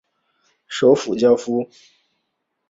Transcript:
首府焦夫。